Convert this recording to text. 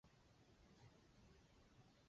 烤羊肉吃到饱